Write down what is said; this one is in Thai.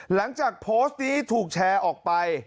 หลังจากโพสต์นี้ถูกแชร์ออกไป